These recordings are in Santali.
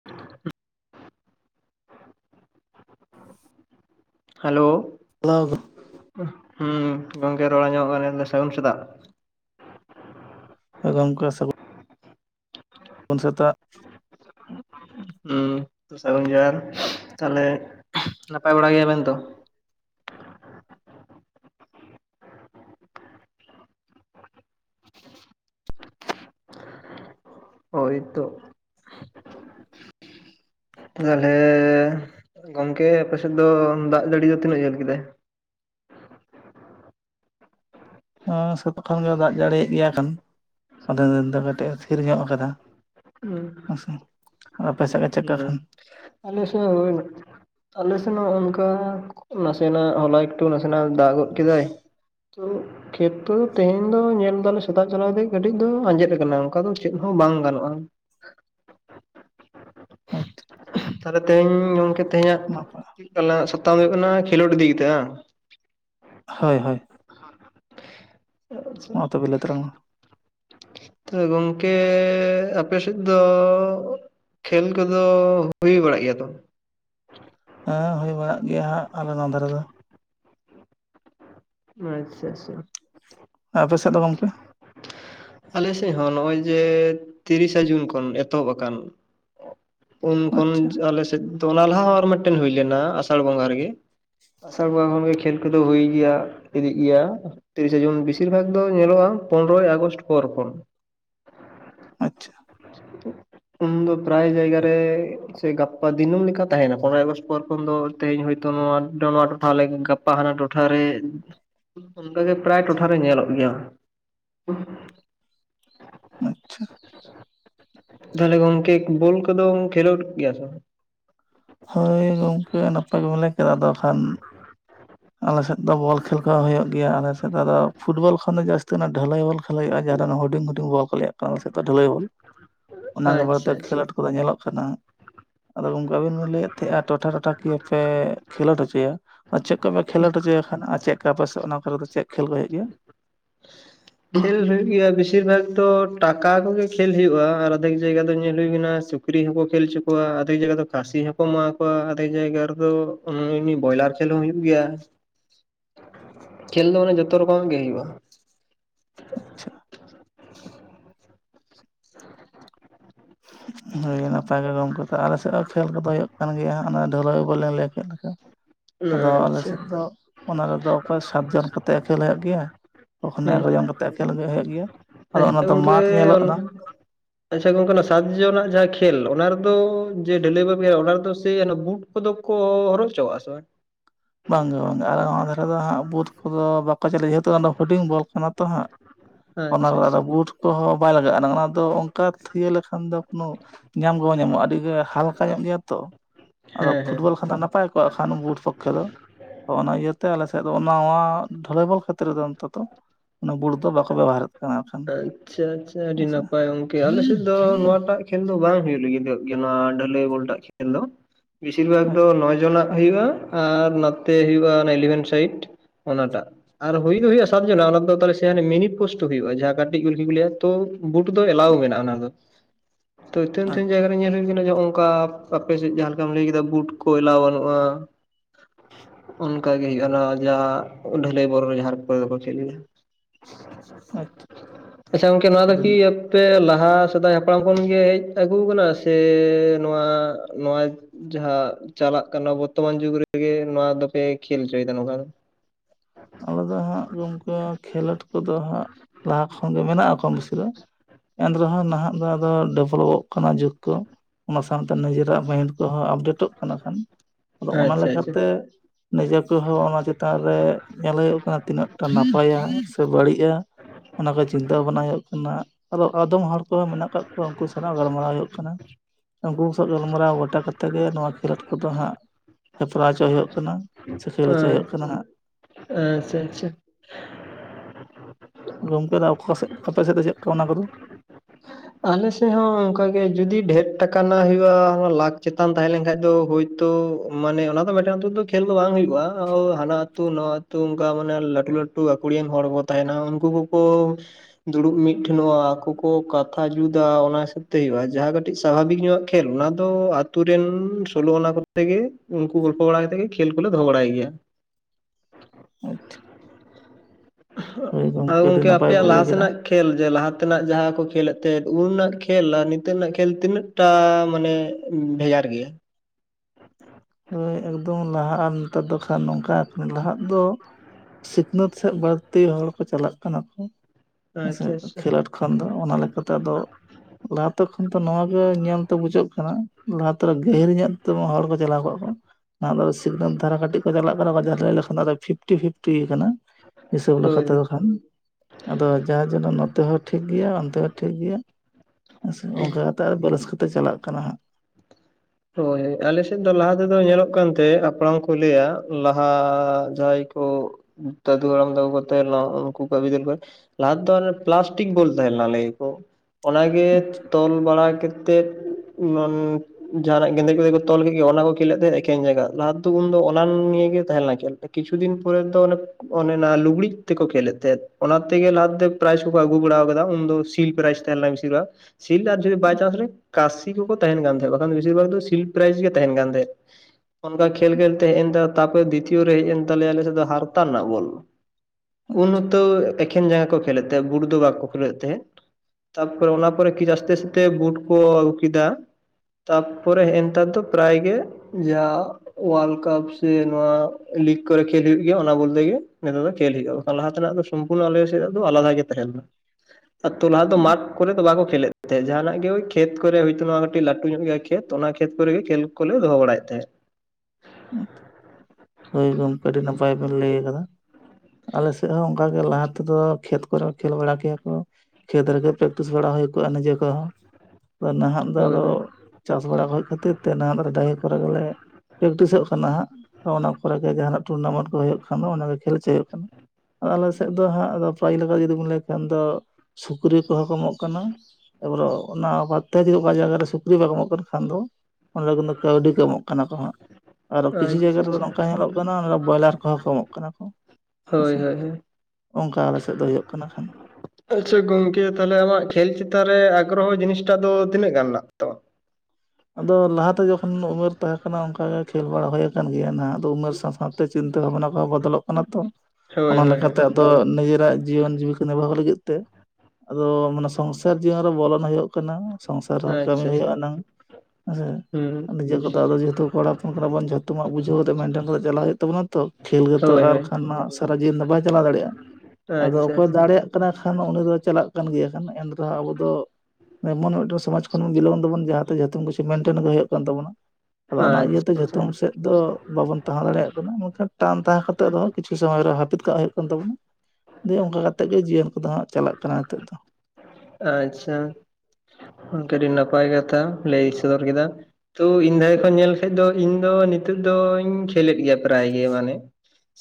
[inaudible] ᱦᱮᱞᱳ, ᱦᱮᱞᱳᱜᱻ ᱦᱩᱸ ᱜᱚᱝᱠᱮ ᱨᱚᱲ ᱟᱸᱡᱚᱢᱚᱜ ᱠᱟᱱᱟ ᱱᱤᱛᱫᱚ ᱥᱟᱹᱜᱩᱱ ᱥᱮᱛᱟᱜ ᱾ ᱦᱳᱭ ᱜᱚᱢᱠᱮ ᱥᱟᱸᱜᱩ ᱥᱟᱜᱩᱱ ᱥᱮᱛᱟᱜ ᱾ ᱦᱩᱸ ᱥᱟᱹᱜᱩᱱ ᱡᱚᱦᱟᱨ ᱛᱟᱦᱚᱞᱮ ᱱᱟᱯᱟᱭ ᱵᱟᱲᱟ ᱜᱮᱭᱟ ᱵᱮᱱ ᱛᱚ? ᱦᱳᱭ ᱛᱚᱜ ᱛᱟᱞᱮᱦᱮ ᱜᱚᱝᱠᱮ ᱟᱯᱮ ᱥᱮᱫ ᱫᱚ ᱫᱟᱜ ᱡᱟᱹᱲᱤ ᱫᱚ ᱛᱤᱱᱟᱹᱜ ᱡᱷᱟᱹᱞ ᱠᱮᱫᱟᱭ? ᱥᱮᱛᱟᱜ ᱠᱷᱚᱱ ᱜᱮ ᱫᱟᱜ ᱡᱟᱹᱲᱤᱭᱮᱫ ᱜᱮᱭᱟ ᱠᱷᱟᱱ ᱟᱫᱚ ᱱᱤᱛ ᱫᱚ ᱠᱟᱹᱴᱤᱡ ᱮ ᱛᱷᱤᱨ ᱧᱚᱜ ᱟᱠᱟᱫᱟ ᱾ ᱦᱩᱸ ᱦᱮᱸᱥᱮ ᱟᱯᱮᱥᱮᱜᱮ ᱪᱮᱫ ᱠᱟ ᱦᱟᱸᱜ ᱠᱷᱟᱱ ᱟᱞᱮ ᱥᱮᱫ ᱦᱩᱭ ᱮᱱᱟ ᱾ ᱟᱞᱮ ᱥᱮᱫ ᱦᱚᱸ ᱱᱚᱜ ᱱᱚᱝᱠᱟ ᱱᱟᱥᱮ ᱱᱟᱜ ᱦᱚᱞᱟ ᱮᱠᱴᱩ ᱱᱟᱥᱮ ᱱᱟᱜ ᱫᱟᱜ ᱜᱚᱫ ᱠᱮᱫᱟᱭ ᱾ [unintelligible] ᱠᱷᱮᱛ ᱠᱚ ᱛᱮᱦᱮᱧ ᱫᱚ ᱧᱮᱞ ᱫᱟᱞᱮ ᱥᱮᱛᱟᱜ ᱪᱟᱞᱟᱣ ᱛᱮ ᱠᱟᱹᱴᱤᱡ ᱫᱚ ᱟᱸᱡᱮᱫ ᱟᱠᱟᱱᱟ ᱚᱱᱠᱟ ᱫᱚ ᱪᱮᱫ ᱦᱚᱸ ᱵᱟᱝ ᱜᱟᱱᱚᱜᱼᱟ ᱾ ᱟᱪᱪᱷᱟ, ᱛᱟᱦᱚᱞᱮ ᱛᱮᱦᱮᱧ ᱜᱚᱝᱠᱮ ᱛᱮᱦᱮᱧᱟᱜ [unintelligible] ᱥᱟᱛᱟᱢ ᱫᱚ ᱦᱩᱭᱩᱜ ᱠᱟᱱᱟ ᱠᱷᱮᱞᱳᱰ ᱤᱫᱤ ᱠᱟᱛᱮᱫ ᱵᱟᱝ, ᱦᱳᱭ ᱦᱳᱭ ᱾ ᱢᱟ ᱛᱚᱵᱮ ᱞᱟᱹᱭ ᱛᱟᱞᱟᱝ ᱢᱮ [unintelligible] ᱛᱟᱦᱚᱞᱮ ᱜᱚᱝᱠᱮ ᱟᱯᱮ ᱥᱮᱫ ᱫᱚ ᱠᱷᱮᱞ ᱠᱚᱫᱚ ᱦᱩᱭ ᱵᱟᱲᱟᱜ ᱜᱮᱭᱟ ᱛᱚ ᱾ ᱦᱮᱸ ᱦᱩᱭ ᱵᱟᱲᱟᱜ ᱜᱮᱭᱟ ᱦᱟᱸᱜ ᱟᱞᱮ ᱱᱚᱣᱟ ᱫᱷᱟᱨᱮ ᱫᱚ ᱟᱪᱪᱷᱟ, ᱟᱪᱪᱷᱟ ᱾ ᱟᱯᱮ ᱥᱮᱫ ᱫᱚ ᱜᱚᱢᱠᱮ? ᱟᱞᱮ ᱥᱮᱫ ᱦᱚᱸ ᱱᱚᱜᱼᱚᱭ ᱡᱮ ᱛᱤᱨᱤ ᱥᱟ ᱡᱩᱱ ᱠᱷᱚᱱ ᱮᱛᱚᱦᱚᱵ ᱟᱠᱟᱱ ᱩᱱ ᱠᱷᱚᱱ ᱟᱪᱪᱷᱟ ᱟᱞᱮ ᱥᱮᱫ ᱫᱚ ᱚᱱᱟ ᱞᱟᱦᱟ ᱦᱚᱸ ᱟᱨ ᱢᱤᱫ ᱴᱮᱱ ᱦᱩᱭ ᱞᱮᱱᱟ ᱟᱥᱟᱲ ᱵᱚᱸᱜᱟ ᱨᱮᱜᱮ ᱟᱥᱟᱲ ᱵᱚᱸᱜᱟ ᱠᱷᱚᱱ ᱜᱮ ᱠᱷᱮᱞ ᱠᱚᱫᱚ ᱦᱩᱜ ᱜᱮᱭᱟ ᱾ ᱤᱫᱤᱜ ᱜᱮᱭᱟ ᱛᱤᱨᱤᱥᱟ ᱡᱩᱱ ᱵᱮᱥᱤᱨ ᱵᱷᱟᱜᱽ ᱫᱚ ᱧᱮᱞᱚᱜᱼᱟ ᱯᱚᱱᱨᱚᱭ ᱟᱜᱚᱥᱴ ᱯᱚᱨ ᱯᱚᱨ [inaudible] ᱟᱪᱪᱷᱟ ᱩᱱ ᱫᱚ ᱯᱮᱨᱟᱭ ᱡᱟᱭᱜᱟ ᱨᱮ ᱥᱮ ᱜᱟᱯᱟ ᱫᱤᱱᱟᱹᱢ ᱞᱮᱠᱟ ᱛᱟᱦᱮ ᱱᱟ ᱯᱚᱱᱨᱚᱭ ᱟᱜᱚᱥᱴ ᱯᱚᱨ ᱠᱷᱚᱱ ᱫᱚ ᱛᱮᱦᱮᱧ ᱦᱚᱭᱛᱳ ᱱᱚᱣᱟ ᱟᱭᱢᱟ ᱴᱚᱴᱷᱟ ᱜᱟᱯᱟ ᱦᱟᱱᱟ ᱴᱚᱴᱷᱟ ᱨᱮ ᱚᱱᱠᱟ ᱜᱮ ᱯᱮᱨᱟᱭ ᱴᱚᱴᱷᱟ ᱨᱮ ᱧᱮᱞᱚᱜ ᱜᱮᱭᱟ ᱾ ᱟᱪᱪᱷᱟ ᱛᱟᱦᱚᱞᱮ ᱜᱚᱢᱠᱮ ᱵᱚᱞ ᱠᱚᱫᱚ ᱠᱷᱮᱞᱳᱰ ᱜᱮᱭᱟᱥᱮ ᱵᱟᱝ? ᱦᱳᱭ ᱜᱚᱢᱠᱮ ᱱᱟᱯᱟᱭ ᱜᱮᱵᱮᱱ ᱞᱟᱹᱭ ᱠᱮᱫᱟ ᱟᱫᱚ ᱠᱷᱟᱱ ᱟᱞᱮ ᱥᱮᱫ ᱫᱚ ᱵᱚᱞ ᱠᱷᱮᱞ ᱠᱚᱸᱦᱚ ᱦᱩᱭᱩᱜ ᱜᱮᱭᱟ ᱟᱞᱮ ᱥᱮᱫ ᱫᱚ ᱟᱫᱚ ᱯᱷᱩᱴᱵᱚᱞ ᱠᱷᱚᱱ ᱫᱚ ᱡᱟᱹᱥᱛᱤ ᱚᱱᱟ ᱰᱷᱟᱹᱞᱟᱹᱭ ᱵᱚᱞ ᱠᱷᱮᱞ ᱦᱩᱭᱩᱜᱼᱟ ᱡᱟᱫᱟ ᱱᱚᱣᱟ ᱦᱩᱰᱤᱧ ᱦᱩᱰᱤᱧ ᱵᱚᱞ ᱠᱚ ᱞᱟᱹᱭᱟᱜ ᱠᱟᱱᱟ ᱥᱮ ᱛᱟ ᱰᱷᱟᱹᱞᱟᱹᱭ ᱵᱚᱞ, ᱚᱱᱟ ᱵᱟᱝ ᱜᱮ ᱵᱟᱨᱮ ᱛᱮ ᱟᱪᱪᱷᱟ ᱟᱪᱪᱷᱟ ᱠᱷᱮᱞᱳᱰ ᱠᱚᱫᱚ ᱧᱮᱞᱚᱜ ᱠᱟᱱᱟ, ᱟᱫᱚ ᱜᱚᱝᱠᱮ ᱟᱹᱵᱤᱱ ᱞᱟᱹᱭᱮᱫ ᱛᱮᱦᱮᱸᱜᱼᱟ ᱴᱚᱴᱷᱟ ᱴᱚᱴᱷᱟ ᱠᱤᱭᱟᱹ ᱯᱮ ᱠᱷᱮᱞᱳᱰ ᱦᱚᱪᱚᱭᱟ, ᱟᱪᱪᱷᱟ ᱠᱚᱢᱮᱜ ᱠᱷᱮᱞᱳᱰ ᱦᱚᱪᱚᱭᱟ ᱠᱷᱟᱱ ᱟᱨ ᱪᱮᱫ ᱠᱟᱯᱮ ᱥᱮᱫ ᱚᱱᱟ ᱠᱚᱨᱮ ᱫᱚ ᱪᱮᱫ ᱠᱷᱮᱞ ᱠᱚ ᱦᱳᱭᱳᱜ ᱜᱮᱭᱟ ᱠᱷᱮᱞ ᱦᱩᱭᱩᱜ ᱜᱮᱭᱟ ᱵᱮᱥᱤᱨ ᱵᱷᱟᱜᱽ ᱫᱚ ᱴᱟᱠᱟ ᱠᱚᱜᱮ ᱠᱷᱮᱞ ᱦᱩᱭᱩᱜᱼᱟ ᱟᱨ ᱟᱫᱷᱮᱠ ᱡᱟᱭᱜᱟ ᱫᱚ ᱧᱮᱞ ᱦᱩᱭ ᱠᱟᱱᱟ ᱥᱩᱠ ᱥᱩᱠᱨᱤ ᱦᱚᱸᱠᱚ ᱠᱷᱮᱞ ᱦᱚᱪᱚ ᱠᱚᱣᱟ ᱟᱫᱷᱮᱠ ᱡᱟᱭᱜᱟ ᱫᱚ ᱠᱟᱥᱤ ᱦᱚᱸᱠᱚ ᱮᱢᱟ ᱠᱚᱣᱟ ᱟᱫᱷᱮᱠ ᱡᱟᱭᱜᱟ ᱨᱮᱫᱚ ᱚᱱᱮ ᱮᱢᱱᱤ ᱵᱚᱭᱞᱟᱨ ᱠᱷᱮᱞ ᱦᱚᱸ ᱦᱩᱭᱩᱜ ᱜᱮᱭᱟ᱾ ᱠᱷᱮᱞ ᱫᱚ ᱢᱟᱱᱮ ᱡᱚᱛᱚ ᱨᱚᱠᱚᱢ ᱜᱮ ᱦᱩᱭᱩᱜᱼᱟ᱾ ᱟᱪᱪᱷᱟ [inaudible] ᱦᱳᱭ ᱱᱟᱯᱟᱭ ᱜᱮ ᱜᱚᱢᱠᱮ ᱛᱟ ᱟᱞᱮ ᱥᱮᱫ ᱦᱚᱸ ᱠᱷᱮᱞ ᱠᱚᱫᱚ ᱦᱩᱭᱩᱜ ᱠᱟᱱ ᱜᱮᱭᱟ ᱚᱱᱟ ᱰᱷᱟᱹᱞᱟᱹᱭ ᱵᱚᱞᱤᱧ ᱞᱟᱹᱭ ᱠᱮᱫ ᱞᱮᱠᱟ ᱟᱫᱚ ᱟᱞᱮ ᱟᱪᱪᱷᱟ ᱥᱮᱫ ᱫᱚ ᱚᱱᱟ ᱨᱮᱫᱚ ᱚᱠᱚᱭ ᱥᱟᱛ ᱡᱚᱱ ᱠᱟᱛᱮᱫ ᱦᱚᱸ ᱠᱷᱮᱞ ᱦᱳᱭᱳᱜ ᱜᱮᱭᱟ [unintelligible] ᱠᱟᱛᱮ ᱦᱚᱸ ᱦᱩᱸ ᱠᱷᱮᱞ ᱦᱳᱭᱳᱜ ᱜᱮᱭᱟ ᱟᱫᱚ ᱚᱱᱟ ᱟᱪᱪᱷᱟ ᱫᱚ ᱢᱟᱴᱷ ᱧᱮᱞᱚᱜ ᱜᱚᱝᱠᱮ ᱠᱟᱱᱟ ᱟᱪᱪᱷᱟ ᱜᱚᱢᱠᱮ ᱥᱟᱛ ᱡᱚᱱᱟᱜ ᱡᱟᱦᱟᱸ ᱠᱷᱮᱞ ᱚᱱᱟ ᱨᱮᱫᱚ ᱡᱮ [unintelligible] ᱚᱱᱟ ᱨᱮᱫᱚ ᱥᱮ ᱵᱩᱴ ᱠᱚᱫᱚ ᱠᱚ ᱦᱚᱨᱚᱜ ᱪᱚᱣᱟᱜ ᱟᱜ ᱥᱮ ᱵᱟᱝ ᱵᱟᱝ ᱜᱮ ᱵᱟᱝ ᱜᱮ ᱟᱞᱮ ᱱᱚᱣᱟ ᱫᱷᱟᱨᱮ ᱫᱚ ᱦᱟᱸᱜ ᱵᱩᱛᱷ ᱠᱚᱫᱚ ᱵᱟᱠᱚ ᱪᱟᱞᱩᱭ ᱡᱮᱦᱮᱛᱩ ᱚᱱᱟ ᱫᱚ ᱦᱩᱰᱤᱧ ᱵᱚᱞ ᱠᱟᱱᱟ ᱛᱚ ᱦᱟᱸᱜ ᱚᱱᱟ ᱟᱪᱪᱷᱟ ᱨᱮᱱᱟᱜ ᱫᱚ ᱟᱪᱪᱷᱟ ᱵᱩᱴᱷ ᱠᱚᱦᱚᱸ ᱵᱟᱭ ᱞᱟᱜᱟᱜ ᱟᱱᱟᱝ ᱚᱱᱟ ᱫᱚ ᱚᱝᱠᱟ ᱛᱷᱤᱭᱟᱹ ᱞᱮᱠᱷᱟᱡ ᱠᱷᱟᱱ ᱫᱚ ᱠᱚᱱᱚ ᱧᱟᱢ ᱜᱮ ᱵᱟᱝ ᱧᱟᱢᱚᱜᱼᱟ ᱟᱹᱰᱤ ᱜᱮ ᱦᱟᱞᱠᱟ ᱧᱚᱜ ᱜᱮᱭᱟ ᱛᱚ ᱟᱫᱚ ᱦᱮᱸ ᱦᱮᱸ ᱯᱷᱩᱴᱵᱚᱞ ᱠᱷᱟᱱ ᱫᱚ ᱱᱟᱯᱟᱭ ᱠᱚᱜᱼᱟ ᱠᱷᱟᱱ ᱵᱩᱴ ᱥᱚᱠᱷᱮ ᱫᱚ ᱚᱱᱟ ᱤᱭᱟᱹ ᱛᱮ ᱟᱞᱮ ᱥᱮᱫ ᱫᱚ ᱱᱟᱣᱟ ᱰᱷᱚᱹᱞᱟᱹᱭ ᱵᱚᱞ ᱠᱷᱟᱹᱛᱤᱨ ᱫᱚ ᱚᱱᱛᱮ ᱛᱚ ᱚᱱᱟ ᱵᱩᱴ ᱫᱚ ᱵᱟᱠᱚ ᱵᱮᱵᱚᱦᱟᱨᱮᱫ ᱠᱟᱱᱟ ᱮᱠᱷᱟᱱ ᱦᱮᱸᱥᱮ ᱟᱞᱮᱥᱮᱫ ᱫᱚ ᱱᱚᱣᱟ ᱴᱟᱜ ᱠᱷᱮᱞ ᱫᱚ ᱵᱟᱝ ᱦᱩᱭᱩᱜ ᱞᱟᱹᱜᱤᱫᱚᱜ ᱜᱮᱭᱟ ᱱᱚᱣᱟ ᱰᱷᱟᱹᱞᱟᱹᱭ ᱵᱚᱞ ᱴᱟᱜ ᱠᱷᱮᱞ ᱫᱚ ᱵᱤᱥᱤᱨ ᱵᱷᱟᱜᱽ ᱫᱚ ᱟᱪᱪᱷᱟ ᱱᱚᱭ ᱡᱚᱱᱟᱜ ᱦᱩᱭᱩᱜᱼᱟ ᱟᱨ ᱱᱟᱛᱮ ᱦᱩᱭᱩᱜᱼᱟ ᱮᱞᱮᱵᱷᱮᱱ ᱥᱟᱹᱭᱤᱴ ᱚᱱᱟᱴᱟᱜ ᱟᱨ ᱦᱩᱭ ᱫᱚ ᱦᱩᱭᱩᱜᱼᱟ ᱥᱟᱛ ᱡᱚᱱᱚ ᱚᱱᱟ ᱫᱚ ᱛᱟᱦᱚᱞᱮ ᱢᱤᱱᱤ ᱯᱳᱥᱴ ᱦᱩᱭᱩᱜᱼᱟ ᱡᱟᱦᱟᱸ ᱠᱟᱹᱴᱤᱡ ᱜᱩᱞᱠᱤ ᱞᱮᱭᱟ ᱛᱚ ᱵᱩᱴ ᱫᱚ ᱮᱞᱟᱣ ᱢᱮᱱᱟᱜᱼᱟ ᱚᱱᱟᱫᱚ ᱛᱚᱧ [unintelligible] ᱟᱪᱪᱷᱟ ᱡᱟᱭᱜᱟ ᱨᱮ ᱧᱮᱞ ᱦᱩᱭᱩᱜ ᱠᱟᱱᱟ ᱡᱮ ᱚᱝᱠᱟ ᱟᱯᱮᱥᱮᱫ ᱡᱟᱦᱟᱸ ᱞᱮᱠᱟᱢ ᱞᱟᱹᱭ ᱠᱮᱫᱟ ᱵᱩᱴ ᱠᱚ ᱮᱞᱟᱣ ᱵᱟᱱᱩᱜᱼᱟ ᱚᱱᱠᱟ ᱜᱮ ᱦᱩᱭᱩᱜᱼᱟ ᱚᱱᱟ ᱡᱟ ᱰᱷᱟᱹᱞᱟᱹᱭ ᱵᱚᱨ ᱡᱟᱦᱟ ᱠᱚᱨᱮ ᱫᱚᱠᱚ ᱪᱮᱫ ᱞᱮᱱᱟ ᱟᱪᱪᱷᱟ ᱟᱪᱪᱷᱟ ᱜᱚᱝᱠᱮ ᱱᱚᱣᱟ ᱫᱚ ᱟᱹᱰᱤ ᱠᱤ ᱟᱯᱮ ᱞᱟᱦᱟ ᱥᱮᱫᱟᱸᱭ ᱦᱟᱯᱲᱟᱢ ᱠᱷᱚᱱ ᱜᱮ ᱦᱮᱡ ᱟᱹᱜᱩᱣ ᱟᱠᱟᱱᱟ ᱥᱮ ᱱᱚᱣᱟ ᱱᱚᱣᱟ ᱡᱟᱦᱟᱸ ᱪᱟᱞᱟᱜ ᱠᱟᱱᱟ ᱵᱚᱨᱛᱚᱢᱟᱱ ᱡᱩᱜᱽ ᱨᱮᱜᱮ ᱱᱚᱣᱟ ᱫᱚᱯᱮ ᱠᱷᱮᱞ ᱚᱪᱚᱭᱮᱫᱟ ᱱᱚᱝᱠᱟ ᱟᱞᱮ ᱫᱚ ᱦᱟᱸᱜ ᱜᱚᱝᱠᱮ ᱠᱷᱮᱞᱳᱰ ᱠᱚᱫᱚ ᱦᱟᱸᱜ ᱞᱟᱦᱟ ᱠᱷᱚᱱ ᱜᱮ ᱢᱮᱱᱟᱜᱼᱟ ᱠᱚᱢ ᱵᱮᱥᱤ ᱫᱚ ᱮᱱᱨᱮᱦᱚᱸ ᱱᱟᱦᱟᱜ ᱟᱫᱚ ᱰᱮᱵᱷᱞᱚᱯᱚᱜ ᱠᱟᱱᱟ ᱡᱩᱜᱽ ᱠᱚ ᱚᱱᱟ ᱥᱟᱶᱛᱮ ᱱᱤᱡᱮᱨᱟᱜ ᱢᱟᱭᱤᱱᱰ ᱠᱚᱦᱚᱸ ᱟᱯᱰᱮᱴᱚᱜ ᱠᱟᱱᱟ ᱠᱷᱟᱱ ᱟᱫᱚ ᱚᱱᱟ ᱟᱪᱪᱷᱟ ᱟᱪᱪᱷᱟ ᱞᱮᱠᱟᱛᱮ ᱱᱤᱡᱮ ᱠᱚᱦᱚᱸ ᱚᱱᱟ ᱪᱮᱛᱟᱱ ᱨᱮ ᱧᱮᱞ ᱦᱩᱭᱩᱜ ᱠᱟᱱᱟ ᱛᱤᱱᱟᱹᱜ ᱴᱟ ᱱᱟᱯᱟᱭᱟ ᱥᱮ ᱵᱟᱹᱲᱤᱡᱼᱟ ᱚᱱᱟ ᱠᱚ ᱪᱤᱱᱛᱟᱹ ᱵᱷᱟᱵᱽᱱᱟ ᱦᱩᱭᱩᱜ ᱠᱟᱱᱟ ᱟᱫᱚ ᱟᱫᱚᱢ ᱦᱚᱲ ᱩᱱᱠᱩ ᱦᱚᱸ ᱢᱮᱱᱟᱜ ᱟᱠᱟᱫ ᱠᱚᱣᱟ ᱩᱱᱠᱩ ᱥᱟᱞᱟᱜ ᱜᱟᱞᱢᱟᱨᱟᱣ ᱦᱩᱭᱩᱜ ᱠᱟᱱᱟ᱾ ᱩᱱᱠᱩ ᱠᱚ ᱥᱟᱶ ᱜᱟᱞᱢᱟᱨᱟᱣ ᱜᱚᱴᱟ ᱠᱟᱛᱮᱫ ᱜᱮ ᱱᱚᱣᱟ ᱠᱷᱮᱞᱳᱰ ᱠᱚᱫᱚ ᱦᱟᱸᱜ ᱦᱮᱯᱨᱟᱣ ᱦᱚᱪᱚ ᱦᱩᱭᱩᱜ ᱠᱟᱱᱟ ᱠᱷᱮᱞ ᱦᱚᱪᱚᱭ ᱦᱩᱭᱩᱜ ᱠᱟᱱᱟ ᱦᱟᱸᱜ ᱟᱸᱪᱪᱷᱟ ᱟᱸᱪᱪᱷᱟ ᱜᱚᱢᱠᱮ ᱟᱠᱷᱚᱥᱮᱫ ᱟᱯᱮ ᱥᱮᱫ ᱫᱚ ᱪᱮᱫ ᱞᱮᱠᱟ ᱚᱱᱟ ᱠᱚᱫᱚ ᱟᱞᱮᱥᱮᱫ ᱦᱚᱸ ᱚᱝᱠᱟᱜᱮ ᱡᱩᱫᱤ ᱰᱷᱮᱨ ᱴᱟᱠᱟ ᱨᱮᱱᱟᱜ ᱦᱩᱭᱩᱜᱼᱟ ᱞᱟᱠ ᱪᱮᱛᱟᱱ ᱛᱟᱦᱮᱸ ᱞᱮᱱ ᱠᱷᱟᱡ ᱫᱚ ᱦᱩᱭ ᱛᱚ ᱢᱟᱱᱮ ᱚᱱᱟ ᱫᱚ ᱢᱤᱫ ᱴᱟᱝ ᱟ. ᱛᱩ ᱛᱚ ᱠᱷᱮᱞ ᱫᱚ ᱵᱟᱝ ᱦᱩᱭᱩᱜᱼᱟ, ᱦᱟᱱᱟ ᱟ. ᱛᱩ ᱱᱚᱣᱟ ᱟ. ᱛᱩ ᱚᱝᱠᱟ ᱢᱟᱱᱮ ᱞᱟᱹᱴᱩ ᱞᱟᱹᱴᱩ ᱴᱩ ᱜᱟ. ᱠᱷᱩᱲᱤᱭᱟᱹᱱ ᱦᱚᱲ ᱠᱚ ᱛᱟᱦᱮᱱᱟ ᱩᱱᱠᱩ ᱠᱚᱠᱚ ᱫᱩᱲᱩᱵ ᱢᱤᱫ ᱴᱷᱮᱱᱚᱜᱼᱟ ᱟᱠᱚ ᱠᱚ ᱠᱟ ᱡᱩᱫᱟ ᱚᱱᱟ ᱦᱤᱥᱟᱹᱵ ᱛᱮ ᱦᱩᱭᱩᱜᱼᱟ ᱡᱟᱦᱟᱸ ᱠᱟᱹᱴᱤᱡ ᱥᱟᱵᱷᱟᱵᱤᱠ ᱧᱚᱜᱼᱟᱜ ᱠᱷᱮᱞ ᱚᱱᱟ ᱫᱚ ᱟ. ᱛᱩ ᱨᱮᱱ ᱥᱳᱞᱳᱦᱱᱟ ᱠᱚ ᱛᱮᱜᱮ ᱩᱱᱠᱩ ᱜᱚᱞᱯᱚ ᱵᱟᱲᱟ ᱠᱟᱛᱮ ᱜᱮ ᱠᱷᱮᱞ ᱠᱚᱞᱮ ᱫᱚᱦᱚ ᱵᱟᱲᱟᱭ ᱜᱮᱭᱟ᱾ ᱟᱪᱪᱷᱟ ᱦᱳᱭ ᱟ ᱟᱹᱰᱤ ᱜᱚᱝᱠᱮ ᱱᱟᱯᱟᱭ ᱟᱯᱮᱭᱟᱜ ᱵᱮᱱ ᱞᱟᱹᱭ ᱠᱮᱫᱟ ᱞᱟᱦᱟᱥᱮᱱᱟᱜ ᱠᱷᱮᱞ ᱡᱮ ᱞᱟᱦᱟ ᱛᱮᱱᱟᱜ ᱡᱟᱦᱟᱸ ᱠᱚ ᱠᱷᱮᱞᱮᱫ ᱛᱟᱦᱮᱸᱫ ᱩᱱ ᱨᱮᱱᱟᱜ ᱠᱷᱮᱞ ᱟᱨ ᱱᱤᱛᱚᱜ ᱨᱮᱱᱟᱜ ᱠᱷᱮᱞ ᱛᱤᱱᱟᱹᱜ ᱴᱟ ᱢᱟᱱᱮ ᱵᱷᱮᱜᱟᱨ ᱜᱮᱭᱟ᱾ ᱦᱳᱭ ᱮᱠᱫᱚᱢ ᱞᱟᱦᱟ ᱟᱨ ᱱᱮᱛᱟᱨ ᱫᱚ ᱠᱷᱟᱱ ᱱᱚᱝᱠᱟ [unintelligible] ᱞᱟᱦᱟᱜ ᱫᱚ ᱥᱤᱠᱷᱱᱟᱹᱛ ᱥᱮᱫ ᱵᱟᱹᱲᱛᱤ ᱦᱚᱲ ᱠᱚ ᱪᱟᱞᱟᱜ ᱠᱟᱱᱟ ᱠᱚ ᱥᱮ ᱟᱪᱪᱷᱟ ᱟᱪᱪᱷᱟ ᱠᱷᱮᱞᱳᱰ ᱠᱷᱚᱱ ᱫᱚ ᱚᱱᱟ ᱞᱮᱠᱟᱛᱮ ᱟᱫᱚ ᱞᱟᱦᱟᱛᱮ ᱠᱷᱚᱱ ᱫᱚ ᱱᱚᱣᱟ ᱜᱮ ᱧᱮᱞᱛᱮ ᱵᱩᱡᱷᱟᱹᱜ ᱠᱟᱱᱟ ᱞᱟᱦᱟ ᱛᱚᱨᱟ ᱜᱟᱹᱦᱤᱨ ᱧᱚᱜ ᱛᱮ ᱦᱚᱲ ᱠᱚ ᱪᱟᱞᱟᱣ ᱠᱚᱜ ᱠᱚ ᱱᱟᱦᱟᱜ ᱫᱚ ᱥᱤᱠᱷᱱᱟᱹᱛ ᱫᱷᱟᱨᱟ ᱠᱟᱹᱴᱤᱡ ᱠᱚ ᱪᱟᱞᱟᱜ ᱠᱟᱱᱟ ᱵᱟᱝ ᱡᱟᱦᱟ ᱞᱟᱹᱭ ᱞᱮᱠᱷᱟᱱ ᱯᱷᱤᱯᱴᱤ ᱯᱷᱤᱯᱴᱤ ᱟᱠᱟᱱᱟ ᱦᱤᱥᱟᱹᱵ ᱞᱮᱠᱟ ᱦᱳᱭ ᱦᱳᱭ ᱛᱮᱠᱚ ᱠᱷᱟᱱ ᱟᱫᱚ ᱡᱟᱦᱟᱸ ᱡᱮᱱᱚ ᱱᱚᱛᱮ ᱦᱚᱸ ᱴᱷᱤᱠ ᱜᱮᱭᱟ ᱚᱱᱛᱮ ᱦᱚᱸ ᱴᱷᱤᱠ ᱜᱮᱭᱟ ᱦᱮᱸ ᱥᱮ ᱚᱱᱠᱟ ᱠᱟᱛᱮ ᱟᱨ ᱵᱟ ᱨᱟᱹᱥᱠᱟᱹᱛᱮ ᱪᱟᱞᱟᱜ ᱠᱟᱱᱟ ᱦᱟᱸᱜ ᱦᱳᱭ ᱟᱞᱮᱥᱮᱫ ᱫᱚ ᱞᱟᱦᱟ ᱛᱮᱫᱚ ᱧᱮᱞᱚᱜ ᱠᱟᱱᱛᱮ ᱦᱟᱯᱲᱟᱢ ᱠᱚ ᱞᱟᱹᱭᱟ ᱞᱟᱦᱟ ᱡᱟᱦᱟᱸᱭ ᱠᱚ ᱫᱟᱫᱩ ᱦᱟᱲᱟᱢ ᱛᱟᱠᱚ ᱠᱚ ᱛᱟᱦᱮᱞᱮᱱᱟ ᱩᱱᱠᱩ ᱠᱚ ᱵᱤᱫᱟ. ᱞ ᱠᱷᱚᱱ ᱞᱟᱦᱟ ᱛᱚ ᱟᱨ ᱯᱞᱟᱥᱴᱤᱠ ᱵᱚᱞ ᱛᱟᱸᱦᱮ ᱞᱮᱱᱟ ᱞᱟ. ᱭ ᱟᱠᱚ ᱚᱱᱟᱜᱮ ᱟᱪᱪᱷᱟ ᱛᱚᱞ ᱵᱟᱲᱟ ᱠᱟ ᱠᱟᱛᱮᱫ [unintelligible] ᱡᱟᱦᱟᱸᱱᱟᱜ ᱜᱮᱸᱫᱨᱮᱡ ᱠᱚᱛᱮ ᱠᱚ ᱛᱚᱞ ᱠᱮᱜ ᱜᱮ ᱚᱱᱟ ᱠᱚ ᱠᱷᱮᱞᱮᱫ ᱛᱟᱦᱮᱸᱫ ᱮᱠᱮᱱ ᱡᱟᱸᱜᱟ ᱞᱟᱦᱟ ᱫᱚ ᱩᱱᱫᱚ ᱚᱱᱟ ᱱᱤᱭᱮ ᱜᱮ ᱛᱟᱦᱮᱸ ᱞᱮᱱᱟ ᱠᱷᱮᱞ ᱴᱷᱤᱠ ᱠᱤᱪᱷᱩ ᱫᱤᱱ ᱯᱚᱨᱮ ᱛᱚ ᱚᱱᱮ ᱚᱱᱮ ᱚᱱᱟ ᱞᱩᱜᱽᱲᱤᱡ ᱛᱮᱠᱚ ᱠᱷᱮᱞᱮᱫ ᱛᱟᱦᱮᱸᱫ ᱚᱱᱟ ᱛᱮᱜᱮ ᱞᱟᱦᱟ ᱯᱨᱟᱭᱤᱡᱽ ᱠᱚᱠᱚ ᱟᱹᱜᱩ ᱵᱟᱲᱟᱣ ᱠᱟᱫᱟ ᱩᱱᱫᱚ ᱥᱤᱞ ᱯᱨᱟᱭᱤᱡᱽ ᱛᱟᱦᱮᱸ ᱞᱮᱱᱟ ᱵᱮᱥᱤᱨ ᱵᱷᱟᱜᱽ ᱥᱤᱞ ᱟᱨ ᱡᱩᱫᱤ ᱵᱟᱭᱪᱟᱱᱥ ᱨᱮ ᱠᱟᱥᱤ ᱠᱚᱠᱚ ᱛᱟᱦᱮᱱ ᱠᱟᱱ ᱛᱟᱦᱮᱸᱫ [unintelligible] ᱵᱮᱥᱤᱨ ᱵᱷᱟᱜᱽ ᱫᱚ ᱥᱤᱞ ᱯᱨᱟᱭᱤᱡᱽ ᱜᱮ ᱛᱟᱦᱮᱱ ᱠᱟᱱ ᱛᱟᱦᱮᱸᱫ ᱚᱱᱠᱟ ᱠᱷᱮᱞ ᱠᱷᱮᱞ ᱛᱮ ᱦᱮᱡ ᱮᱱ ᱛᱮ, ᱛᱟᱯᱚᱨ ᱫᱤᱛᱤᱭᱚ ᱨᱮ ᱦᱮᱡ ᱮᱱ ᱛᱟᱞᱮ ᱟᱞᱮᱥᱮᱫ ᱫᱚ ᱦᱟᱨᱛᱟ ᱨᱮᱱᱟᱜ ᱵᱚᱞ᱾ ᱩᱱ ᱚᱠᱛᱚ ᱮᱠᱷᱮᱱ ᱡᱟᱸᱜᱟ ᱠᱚ ᱠᱷᱮᱞᱮᱫ ᱛᱟᱦᱮᱸᱫ ᱵᱩᱴ ᱫᱚ ᱵᱟᱠᱚ ᱠᱷᱮᱞᱳ ᱮᱫ ᱛᱟᱦᱮᱸᱫ ᱛᱟᱯᱚᱨᱮ ᱚᱱᱟ ᱯᱚᱨᱮ ᱠᱟᱹᱡ ᱟᱥᱛᱮ ᱟᱥᱛᱮ ᱵᱩᱴ ᱠᱚ ᱟᱹᱜᱩ ᱠᱮᱫᱟ ᱛᱟᱨ ᱯᱚᱨᱮ ᱦᱮᱸᱜ- ᱮ ᱱᱮᱛᱟᱨ ᱫᱚ ᱯᱨᱟᱭ ᱜᱮ ᱡᱟ ᱳᱣᱟᱞᱰ ᱠᱟᱯ ᱥᱮ ᱱᱚᱣᱟ ᱞᱤᱜᱽ ᱠᱚᱨᱮ ᱠᱷᱮᱞ ᱦᱩᱭᱩᱜ ᱜᱮᱭᱟ ᱚᱱᱟ ᱵᱚᱞᱛᱮ ᱜᱮ ᱱᱮᱛᱟᱨ ᱫᱚ ᱠᱷᱮᱞ ᱦᱩᱭᱩᱜ-ᱟ᱾ ᱛᱟᱨ ᱞᱟᱦᱟ ᱛᱮᱱᱟᱜ ᱫᱚ ᱥᱚᱢᱯᱩᱨᱱᱚ ᱟᱞᱚ ᱥᱮᱫ-ᱟᱜ ᱫᱚ ᱟᱞᱟᱫᱟ ᱜᱮ ᱛᱟᱦᱮᱸᱞᱮᱱᱟ᱾ ᱟᱹᱛᱩ ᱞᱟᱦᱟ ᱫᱚ ᱢᱟᱴᱷ ᱠᱚᱨᱮ ᱫᱚ ᱵᱟᱠᱚ ᱠᱷᱮᱞᱮᱫ ᱛᱟᱦᱮᱸᱫ ᱡᱟᱦᱟᱱᱟᱜ ᱜᱮ ᱠᱷᱮᱛ ᱠᱚᱨᱮ ᱦᱳᱭᱛᱚ ᱠᱟᱹᱴᱤᱡ ᱞᱟᱹᱴᱩ ᱧᱚᱜ ᱜᱮ ᱠᱷᱮᱛ ᱚᱱᱟ ᱠᱷᱮᱛ ᱠᱚᱨᱮ ᱜᱮ ᱠᱷᱮᱞ ᱠᱚᱞᱮ ᱫᱚᱦᱚ ᱵᱟᱲᱟᱭᱮᱫ ᱛᱟᱦᱮᱸᱫ ᱾ [inaudible] ᱦᱳᱭ ᱜᱚᱢᱠᱮ ᱟ. ᱰᱤ ᱱᱟᱯᱟᱭ ᱵᱤᱱ ᱞᱟᱹᱭ ᱟᱠᱟᱫᱟ ᱾ ᱟᱞᱮ ᱥᱮᱫ ᱦᱚᱸ ᱚᱱᱠᱟᱜᱮ ᱞᱟᱦᱟ ᱛᱮᱫᱚ ᱠᱷᱮᱛ ᱠᱚᱨᱮ ᱦᱚᱸ ᱠᱷᱮᱞ ᱵᱟᱲᱟ ᱠᱮᱭᱟ ᱠᱚ ᱾ ᱠᱷᱮᱛ ᱨᱮᱜᱮ ᱯᱨᱮᱠᱴᱤᱥ ᱵᱟᱲᱟ ᱦᱩᱭ ᱠᱚᱜᱼᱟ ᱱᱤᱡᱮ ᱠᱚᱦᱚᱸ, ᱱᱟᱦᱟᱜ ᱟᱫᱚ ᱦᱳᱭ ᱟᱫᱚ ᱦᱳᱭ ᱪᱟᱥ ᱵᱟᱲᱟ ᱠᱚ ᱦᱩᱭᱩᱜ ᱠᱷᱟᱹᱛᱤᱨ ᱛᱮ ᱱᱟᱦᱟᱜ ᱫᱚ ᱰᱟᱹᱦᱤ ᱠᱚᱨᱮ ᱜᱮᱞᱮ ᱯᱮᱠᱴᱤᱥᱚᱜ ᱠᱟᱱᱟ ᱦᱟᱸᱜ, ᱚᱱᱟ ᱠᱚᱨᱮ ᱜᱮ ᱡᱟᱦᱟᱱᱟᱜ ᱴᱩᱨᱱᱟᱢᱮᱱᱴ ᱠᱚ ᱦᱩᱭᱩᱜ ᱠᱷᱟᱱ ᱫᱚ ᱚᱱᱟ ᱜᱮ ᱠᱷᱮᱞ ᱦᱚᱪᱚ ᱦᱩᱭᱩᱜ ᱠᱟᱱᱟ ᱾ ᱟᱞᱮ ᱥᱮᱫ ᱫᱚ ᱦᱟᱸᱜ ᱟᱫᱚ ᱯᱨᱟᱭ ᱞᱮᱠᱟ ᱡᱩᱫᱤ ᱵᱚᱱ ᱞᱟᱹᱭ ᱠᱷᱟᱱ ᱫᱚ ᱥᱩᱠᱨᱤ ᱠᱚᱦᱚᱸ ᱠᱚ ᱮᱢᱚᱜ ᱠᱟᱱᱟ ᱾ [unintelligible] ᱚᱱᱟ ᱵᱟᱫᱛᱮ ᱡᱩᱫᱤ ᱚᱠᱟ ᱡᱟᱭᱜᱟ ᱨᱮ ᱥᱩᱠᱨᱤ ᱵᱟᱝᱠᱚ ᱮᱢᱚᱜ ᱠᱟᱱ ᱠᱷᱟᱱ ᱫᱚ ᱚᱸᱰᱮ ᱫᱚ ᱩᱱ ᱫᱚ ᱠᱟᱹᱣᱰᱤ ᱠᱚ ᱮᱢᱚᱜ ᱠᱟᱱᱟ ᱠᱚ ᱦᱟᱸᱜ ᱾ ᱟᱨᱚ ᱠᱤᱪᱷᱩ ᱡᱟᱭᱜᱟ ᱟᱪᱪᱷᱟ ᱨᱮᱫᱚ ᱟᱪᱪᱷᱟ ᱱᱚᱝᱠᱟ ᱧᱮᱞᱚᱜ ᱠᱟᱱᱟ ᱚᱸᱰᱮ ᱫᱚ ᱵᱚᱭᱞᱟᱨ ᱠᱚᱦᱚᱸ ᱠᱚ ᱮᱢᱚᱜ ᱠᱟᱱᱟ ᱠᱚ ᱾ ᱦᱳᱭ ᱦᱮᱸᱥᱮ ᱦᱳᱭ ᱦᱳᱭ ᱚᱱᱠᱟ ᱟᱞᱮ ᱥᱮᱫ ᱫᱚ ᱦᱩᱭᱩᱜ ᱠᱟᱱᱟ ᱠᱷᱟᱱ ᱾ ᱟᱪᱪᱷᱟ ᱜᱚᱝᱠᱮ ᱛᱟᱦᱚᱞᱮ ᱟᱢᱟᱜ ᱠᱷᱮᱞ ᱪᱮᱛᱟᱱ ᱨᱮ ᱟᱜᱽᱜᱨᱚᱦᱚ ᱡᱤᱱᱤᱥ ᱴᱟᱜ ᱫᱚ ᱛᱤᱱᱟᱹᱜ ᱜᱟᱱ ᱢᱮᱱᱟᱜ ᱛᱟᱢᱟ? ᱟᱫᱚ ᱞᱟᱦᱟᱛᱮ ᱡᱚᱠᱷᱚᱱ ᱩᱢᱮᱨ ᱛᱟᱦᱮᱸ ᱠᱟᱱᱟ ᱚᱱᱠᱟ ᱜᱮ ᱠᱷᱮᱞ ᱵᱟᱲᱟ ᱦᱩᱭ ᱟᱠᱟᱱ ᱜᱮᱭᱟ ᱱᱟᱦᱟᱜ ᱟᱫᱚ ᱩᱢᱮᱨ ᱥᱟᱶ ᱥᱟᱶ ᱪᱤᱱᱛᱟᱹ ᱵᱷᱟᱵᱱᱟ ᱠᱚᱦᱚᱸ ᱵᱚᱫᱚᱞᱚᱜ ᱠᱟᱱᱟ ᱛᱚ ᱾ ᱦᱳᱭ ᱚᱱᱟ ᱦᱳᱭ ᱞᱮᱠᱟᱛᱮ ᱦᱳᱭ ᱫᱚ ᱱᱤᱡᱮᱨᱟᱜ ᱡᱤᱭᱚᱱ ᱡᱤᱵᱤᱠᱟ ᱱᱤᱵᱷᱟᱹᱣ ᱞᱟᱹᱜᱤᱫ ᱛᱮ ᱟᱫᱚ ᱢᱟᱱᱮ ᱥᱚᱝᱥᱟᱨ ᱡᱤᱭᱚᱱ ᱨᱮ ᱵᱚᱞᱚᱱ ᱦᱩᱭᱩᱜ ᱠᱟᱱᱟ ᱾ ᱥᱚᱝᱥᱟᱨ ᱨᱮᱦᱚᱸ ᱠᱟᱹᱢᱤ ᱟᱪᱪᱷᱟ ᱟᱪᱪᱷᱟ ᱦᱩᱭᱩᱜ-ᱟ ᱱᱟᱝ ᱦᱮᱸ ᱦᱩᱸ ᱟᱨ ᱱᱤᱡᱮ ᱠᱚᱫᱚ ᱟᱫᱚ ᱡᱮᱦᱮᱛᱩ ᱠᱚᱲᱟ ᱦᱚᱯᱚᱱ ᱠᱟᱱᱟ ᱵᱚᱱ ᱡᱚᱛᱚᱢᱟᱜ ᱵᱩᱡᱷᱟᱹᱣ ᱠᱟᱛᱮ ᱢᱮᱱᱴᱮᱱ ᱠᱟᱛᱮ ᱪᱟᱞᱟᱜ ᱦᱩᱭᱩᱜ ᱛᱟᱵᱚᱱᱟ ᱛᱚ ᱾ ᱠᱷᱮᱞ ᱜᱮᱛᱚ ᱦᱳᱭ ᱟᱨ ᱦᱳᱭ ᱠᱷᱟᱱ ᱢᱟ ᱥᱟᱨᱟ ᱡᱤᱭᱚᱱ ᱫᱚ ᱵᱟᱭ ᱪᱟᱞᱟᱣ ᱫᱟᱲᱮᱭᱟᱜᱼᱟ ᱾ ᱟᱫᱚ ᱟᱪᱪᱷᱟ ᱚᱠᱚᱭ ᱫᱟᱲᱮᱭᱟᱜ ᱠᱟᱱᱟ ᱠᱷᱟᱱ ᱩᱱᱤ ᱫᱚ ᱪᱟᱞᱟᱜ ᱠᱟᱱ ᱜᱮᱭᱟ ᱠᱷᱟᱱ ᱮᱱ‌ ᱨᱮᱦᱚᱸ ᱟᱵᱚ ᱫᱚ ᱮᱢᱚᱱ ᱢᱤᱫᱴᱮᱱ ᱥᱚᱢᱟᱡᱽ ᱠᱷᱚᱱ ᱵᱚᱱ ᱵᱤᱞᱚᱢ ᱫᱟᱵᱚᱱ ᱡᱟᱦᱟᱸᱛᱮ ᱡᱷᱚᱛᱚᱢ ᱠᱩᱪᱩ ᱢᱮᱱᱴᱮᱱ ᱟᱜᱩ ᱦᱩᱭᱩᱜ ᱠᱟᱱ ᱛᱟᱵᱚᱱᱟ ᱾ ᱟᱫᱚ ᱟᱪᱪᱷᱟ ᱚᱱᱟ ᱤᱭᱟᱹᱛᱮ ᱟᱪᱪᱷᱟ ᱡᱚᱛᱚᱢ ᱥᱮᱫ ᱟᱫᱚ ᱵᱟᱵᱚᱱ ᱛᱟᱦᱮᱸ ᱫᱟᱲᱮᱭᱟᱜ ᱠᱟᱱᱟ ᱢᱮᱱᱠᱷᱟᱱ ᱴᱟᱱ ᱛᱟᱦᱮᱸ ᱠᱟᱛᱮᱜ ᱨᱮᱦᱚᱸ ᱠᱤᱪᱷᱩ ᱥᱚᱢᱚᱭ ᱨᱮ ᱦᱟᱹᱯᱤᱫ ᱠᱟᱜ ᱦᱩᱭᱩᱜ ᱠᱟᱱ ᱛᱟᱵᱚᱱᱟ ᱾ ᱫᱤᱭᱮ ᱚᱱᱠᱟ ᱠᱟᱛᱮ ᱜᱮ ᱡᱤᱭᱚᱱ ᱠᱚᱫᱚ ᱦᱟᱸᱜ ᱪᱟᱞᱟᱜ ᱠᱟᱱᱟ ᱱᱤᱛᱚᱜ ᱫᱚ ᱾ ᱟᱪᱪᱷᱟ ᱟᱹᱰᱤ ᱱᱟᱯᱟᱭ ᱠᱟᱛᱷᱟ ᱞᱟᱹᱭ ᱥᱚᱫᱚᱨ ᱠᱮᱫᱟ ᱾ ᱛᱚ ᱤᱧ ᱫᱷᱟᱨᱮ ᱦᱳᱭ ᱠᱷᱚᱱ ᱧᱮᱞ ᱞᱮᱠᱷᱟᱱ ᱫᱚ ᱤᱧ ᱫᱚ ᱱᱤᱛᱚᱜ ᱫᱚᱧ ᱠᱷᱮᱞᱮᱫ ᱜᱮᱭᱟ ᱯᱨᱟᱭ ᱜᱮ ᱢᱟᱱᱮ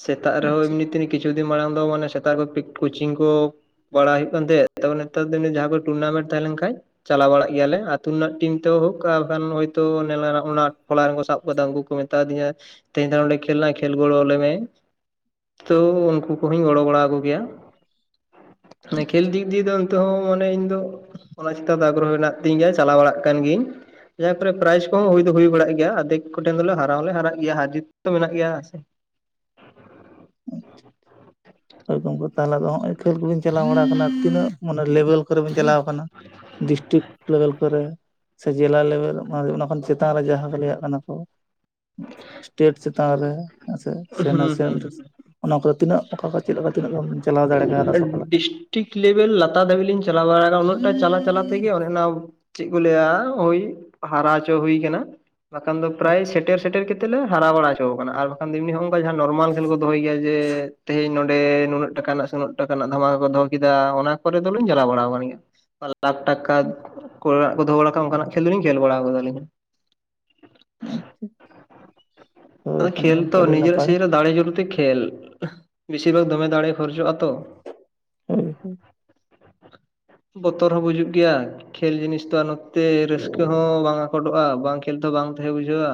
ᱥᱮᱛᱟᱜ ᱨᱮᱦᱚᱸ ᱟᱪᱪᱷᱟ ᱮᱢᱱᱤ ᱛᱮ ᱠᱤᱪᱷᱩ ᱫᱤᱱ ᱢᱟᱲᱟᱝ ᱫᱚ ᱢᱟᱱᱮ ᱥᱮᱛᱟᱜ ᱨᱮ ᱠᱳᱪᱤᱝ ᱠᱚ ᱯᱟᱲᱦᱟᱣ ᱦᱩᱭᱩᱜ ᱠᱟᱱ ᱛᱟᱦᱮᱸ ᱾ ᱛᱟᱨ ᱯᱚᱨᱮ ᱱᱮᱛᱟᱨ ᱫᱤᱱ ᱡᱟᱦᱟᱸ ᱠᱚ ᱴᱩᱨᱱᱟᱢᱮᱱᱴ ᱛᱟᱦᱮᱸ ᱞᱮᱱ ᱠᱷᱟᱡ ᱪᱟᱞᱟᱣ ᱵᱟᱲᱟᱜ ᱜᱮᱭᱟᱞᱮ ᱟᱹᱛᱩ ᱨᱮᱱᱟᱜ ᱴᱤᱢ ᱛᱮ [unintelligible] ᱠᱟᱜᱼᱟ ᱵᱟᱝᱠᱷᱟᱱ ᱦᱩᱭ ᱛᱚ ᱚᱱᱟ ᱴᱚᱞᱟ ᱨᱮᱱᱠᱚ ᱥᱟᱵ ᱟᱠᱟᱫᱟ ᱩᱱᱠᱩ ᱠᱚ ᱢᱮᱛᱟ ᱫᱤᱧᱟ ᱛᱮᱦᱮᱧ ᱫᱚ ᱱᱚᱰᱮ ᱠᱷᱮᱞ ᱢᱮᱱᱟᱜ-ᱟ ᱠᱷᱮᱞ ᱜᱚᱲᱚ ᱟᱞᱮ ᱢᱮ ᱾ [unintelligible] ᱛᱚ ᱩᱱᱠᱩ ᱠᱚᱦᱚᱧ ᱜᱚᱲᱚ ᱵᱟᱲᱟ ᱟᱠᱚᱜᱮᱭᱟ ᱾ [unintelligible] [unintelligible] ᱢᱟᱱᱮ ᱠᱷᱮᱞ ᱫᱤᱠ ᱫᱤᱭᱮ ᱫᱚ ᱱᱤᱛᱚᱜ ᱦᱚᱸ ᱢᱟᱱᱮ ᱤᱧ ᱫᱚ ᱚᱱᱟ ᱪᱮᱛᱟᱱ ᱟᱜᱽᱨᱚᱦᱚ ᱢᱮᱱᱟᱜ ᱛᱤᱧ ᱜᱮᱭᱟ ᱾ ᱪᱟᱞᱟᱣ ᱵᱟᱲᱟᱜ ᱠᱟᱱ ᱜᱤᱭᱟᱹᱤᱧ ᱾ ᱡᱟᱦᱟᱸ ᱠᱚᱨᱮ ᱯᱨᱟᱭᱤᱡᱽ ᱠᱚᱦᱚᱸ ᱦᱩᱭ ᱫᱚ ᱦᱩᱭ ᱵᱟᱲᱟᱜ ᱜᱮᱭᱟ ᱾ ᱟᱫᱷᱮᱠ ᱠᱚ ᱴᱷᱮᱱ ᱫᱚᱞᱮ ᱦᱟᱨᱟᱣ ᱦᱚᱸᱞᱮ ᱦᱟᱨᱟᱜ ᱜᱮᱭᱟ ᱦᱟᱨ ᱡᱤᱛ ᱛᱚᱱᱢᱮᱱᱟᱜ ᱜᱮᱭᱟ ᱥᱮ ᱾ ᱦᱳᱭ ᱜᱚᱢᱠᱮ ᱛᱟᱦᱚᱞᱮ ᱫᱚ ᱱᱚᱸᱜᱼᱚᱭ ᱠᱷᱮᱞ ᱠᱚ ᱵᱤᱱ ᱪᱟᱞᱟᱣ ᱵᱟᱲᱟ ᱟᱠᱟᱱᱟ ᱛᱤᱱᱟᱹᱜ ᱢᱟᱱᱮ ᱞᱮᱵᱮᱞ? ᱠᱚᱨᱮ ᱵᱚᱱ ᱪᱟᱞᱟᱣ ᱠᱟᱱᱟ ᱾ ᱰᱤᱥᱴᱨᱤᱠ ᱞᱮᱵᱮᱞ ᱠᱚᱨᱮ ᱥᱮ ᱡᱮᱞᱟ ᱞᱮᱵᱮᱞ ᱚᱱᱟ ᱠᱷᱚᱱ ᱪᱮᱛᱟᱱ ᱨᱮ ᱡᱟᱦᱟᱸ ᱠᱚ ᱞᱟᱹᱭᱟᱜ ᱠᱟᱱᱟ ᱠᱚ? ᱥᱴᱮᱴ ᱪᱮᱛᱟᱱ ᱨᱮ ᱦᱮᱸ ᱥᱮ, ᱥᱮ ᱦᱩᱸ ᱱᱟᱥᱮ ᱦᱩᱸ [unintelligible] ᱚᱱᱟ ᱠᱚᱨᱮ ᱛᱤᱱᱟᱹᱜ ᱚᱠᱟ? ᱪᱮᱫ ᱞᱮᱠᱟ ᱛᱤᱱᱟᱹᱜ [unintelligible] ᱪᱟᱞᱟᱣ ᱫᱟᱲᱮ ᱟᱠᱫᱟ ᱥᱮ ᱚᱠᱟ ᱞᱮᱠᱟ? ᱴᱷᱤᱠ ᱞᱮᱵᱮᱞ ᱞᱟᱛᱟᱨ ᱫᱟᱹᱵᱤᱡ ᱞᱤᱧ ᱪᱟᱞᱟᱣ [unintelligible] ᱾ ᱩᱱᱟᱹᱜ ᱴᱟᱜ ᱪᱟᱞᱟᱜ ᱪᱟᱞᱟᱜ ᱛᱮᱜᱮ ᱚᱱᱮ ᱚᱱᱟ ᱪᱮᱫ ᱠᱚ ᱞᱟᱹᱭᱟ ᱳᱭ ᱦᱟᱨᱟ ᱦᱚᱪᱚ ᱦᱩᱭ ᱟᱠᱟᱱᱟ ᱾ ᱵᱟᱠᱷᱟᱱ ᱫᱚ ᱯᱨᱟᱭ ᱟᱪᱪᱷᱟ ᱥᱮᱴᱮᱨ ᱥᱮᱴᱮᱨ ᱠᱟᱛᱮᱫ ᱞᱮ ᱦᱟᱨᱟᱣ ᱵᱟᱲᱟ ᱦᱚᱪᱚ ᱟᱠᱟᱱᱟ ᱟᱨ ᱮᱢᱱᱤ ᱦᱚᱸ ᱚᱱᱠᱟ ᱱᱚᱨᱢᱟᱞ ᱠᱷᱮᱞ ᱠᱚ ᱫᱚᱦᱚᱭ ᱜᱮᱭᱟ ᱡᱮ ᱛᱮᱦᱮᱧ ᱱᱚᱰᱮ ᱱᱩᱱᱟᱹᱜ ᱴᱟᱠᱟ ᱨᱮᱱᱟᱜ ᱥᱮ ᱩᱱᱟᱹᱜ ᱴᱟᱠᱟ ᱨᱮᱱᱟᱜ ᱫᱷᱟᱢᱟᱠᱟ ᱠᱚ ᱫᱚᱦᱚ ᱠᱮᱫᱟ ᱚᱱᱟ ᱠᱚᱨᱮ ᱫᱚᱞᱤᱧ ᱪᱟᱞᱟᱣ ᱵᱟᱲᱟ ᱟᱠᱟᱱ ᱜᱮᱭᱟ ᱾ ᱞᱟᱠᱷ ᱴᱟᱠᱟ ᱠᱚᱨᱮᱱᱟᱜ ᱠᱚ ᱫᱚᱦᱚ ᱵᱟᱲᱟ ᱟᱠᱟᱫᱟ ᱚᱱᱠᱟᱱᱟᱜ ᱠᱷᱮᱞ ᱫᱚᱞᱤᱧ ᱠᱷᱮᱞ ᱵᱟᱲᱟ ᱟᱠᱟᱫᱟᱞᱤᱧ ᱾ [unintelligible] ᱟᱫᱚ ᱠᱷᱮᱞ ᱜᱚᱢᱠᱮ ᱛᱚ ᱟᱹᱰᱤ ᱱᱤᱡᱮᱨᱟᱜ ᱱᱟᱯᱟᱭ [unintelligible] ᱨᱮ ᱫᱟᱲᱮ ᱡᱚᱨ ᱛᱮ ᱠᱷᱮᱞ [unintelligible] ᱵᱮᱥᱤᱨ ᱵᱷᱟᱜᱽ ᱫᱚᱢᱮ ᱫᱟᱲᱮ ᱠᱷᱚᱨᱚᱪᱚᱜᱼᱟ ᱛᱚ ᱾ ᱦᱳᱭ ᱦᱳᱭ᱾ ᱵᱚᱛᱚᱨ ᱦᱚᱸ ᱵᱩᱡᱩᱜ ᱜᱮᱭᱟ᱾ ᱠᱷᱮᱞ ᱡᱤᱱᱤᱥ ᱫᱚ ᱱᱚᱛᱮ ᱨᱟᱹᱥᱠᱟᱹ ᱦᱚᱸ ᱵᱟᱝ ᱟᱠᱚᱴᱚᱜ-ᱟ ᱵᱟᱝ ᱠᱷᱮᱞ ᱫᱚ ᱵᱟᱝ ᱛᱟᱦᱮᱸ ᱵᱩᱡᱷᱟᱹᱜ-ᱟ᱾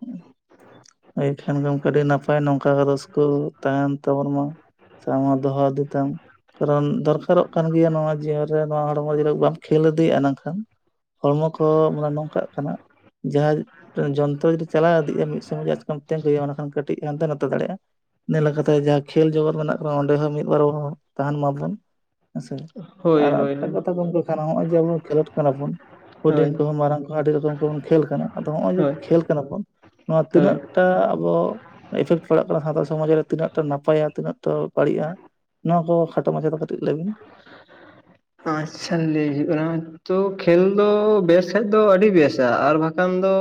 [unintelligible] ᱮᱠᱷᱟᱱ ᱜᱚᱢᱠᱮ ᱱᱟᱯᱟᱭ ᱱᱚᱝᱠᱟ ᱜᱮ ᱨᱟᱹᱥᱠᱟᱹ ᱛᱟᱦᱮᱱ ᱛᱟᱵᱚᱱ ᱢᱟ᱾ ᱥᱮ ᱟᱢ ᱦᱚᱸ ᱫᱚᱦᱚ ᱤᱫᱤ ᱛᱟᱢ᱾ ᱠᱟᱨᱚᱱ ᱫᱚᱨᱠᱟᱨᱚᱜ ᱠᱟᱱ ᱜᱮᱭᱟ ᱱᱚᱣᱟ ᱡᱤᱭᱚᱱ ᱨᱮ ᱱᱚᱣᱟ ᱦᱚᱲᱢᱚ ᱡᱤᱣᱤ ᱨᱮ ᱵᱟᱢ ᱠᱷᱮᱞ ᱤᱫᱤᱭᱟᱜ-ᱟ [unintelligible] ᱦᱚᱲᱢᱚ ᱠᱚᱦᱚᱸ ᱢᱟᱱᱮ ᱱᱚᱝᱠᱟᱜ ᱠᱟᱱᱟ ᱡᱟᱦᱟᱸ ᱡᱚᱱᱛᱨᱚ ᱪᱟᱞᱟᱣ ᱤᱫᱤᱜ-ᱟ ᱢᱤᱫ ᱥᱚᱢᱚᱭ ᱡᱚᱫᱤ ᱟᱪᱠᱟᱢ ᱛᱤᱸᱜᱩᱭᱟ ᱚᱱᱟᱠᱷᱟᱱ ᱠᱟᱹᱴᱤᱡ ᱦᱟᱱᱛᱮ ᱱᱟᱛᱮ ᱫᱟᱲᱮᱭᱟᱜ-ᱟ᱾ [unintelligible] ᱞᱮᱠᱟᱛᱮ ᱡᱟᱦᱟᱸ ᱠᱷᱮᱞ ᱡᱚᱜᱚᱛ ᱢᱮᱱᱟᱜ ᱠᱚ ᱚᱸᱰᱮ ᱦᱚᱸ ᱢᱤᱫ ᱵᱟᱨ ᱛᱟᱦᱮᱱ ᱢᱟᱵᱚᱱ ᱦᱮᱸᱥᱮ ᱦᱳᱭ ᱟᱨ ᱦᱳᱭ ᱮᱴᱟᱜ ᱠᱟᱛᱷᱟ ᱜᱚᱢᱠᱮ ᱠᱟᱱᱟ ᱱᱚᱜ-ᱚᱭ ᱡᱮ ᱟᱵᱚ ᱠᱷᱮᱞᱳᱰ ᱠᱟᱱᱟ ᱵᱚᱱ ᱦᱳᱭ ᱦᱩᱰᱤᱧ ᱠᱚᱦᱚᱸ ᱢᱟᱨᱟᱝ ᱠᱚᱦᱚᱸ ᱟᱹᱰᱤ ᱨᱚᱠᱚᱢ ᱠᱚᱵᱚᱱ ᱠᱷᱮᱞ ᱠᱟᱱᱟ ᱟᱫᱚ ᱱᱚᱜ-ᱚᱭ ᱡᱮ ᱦᱳᱭ ᱠᱷᱮᱞ ᱠᱟᱱᱟ ᱵᱚᱱ ᱱᱚᱣᱟ ᱦᱳᱭ ᱛᱤᱱᱟᱹᱜ ᱴᱟᱜ ᱟᱵᱚ ᱤᱯᱷᱮᱠᱴ ᱯᱟᱲᱟᱜ ᱠᱟᱱᱟ ᱥᱟᱶᱛᱟ ᱥᱚᱢᱟᱡᱽ ᱨᱮ ᱛᱤᱱᱟᱹᱜ ᱴᱟᱜ ᱱᱟᱯᱟᱭ ᱟᱨ ᱛᱤᱱᱟᱹᱜ ᱴᱟᱜ ᱵᱟᱹᱲᱤᱡ-ᱟ ᱱᱚᱣᱟ ᱠᱚ ᱠᱷᱟᱴᱚ ᱢᱟᱪᱷᱟ ᱛᱮ ᱠᱟᱴᱤᱡ ᱞᱟ. ᱭ ᱵᱤᱱ [unintelligible] ᱟᱪᱪᱷᱟ ᱞᱟᱹᱭ ᱦᱩᱭᱩᱜ-ᱟ᱾ ᱛᱚ ᱠᱷᱮᱞ ᱫᱚ ᱵᱮᱥ ᱠᱷᱟᱡ ᱫᱚ ᱟᱹᱰᱤ ᱵᱮᱥᱟ ᱟᱨ ᱵᱟᱠᱷᱟᱱ ᱫᱚ